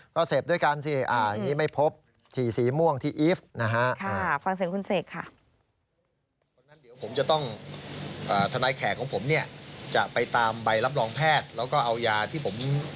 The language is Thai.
ก็เสพด้วยกันสิอันนี้ไม่พบ